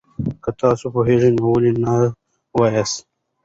که تاسو پوهېږئ، نو ولې نه وایاست؟